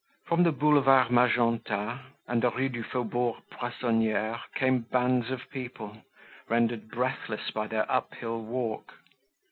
From the Boulevard Magenta and the Rue du Faubourg Poissonniere, came bands of people, rendered breathless by their uphill walk.